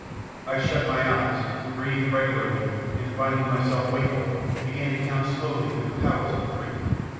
I shut my eyes, breathed regularly, and, rinding my self wakeful, began to count slowly through the powers of three.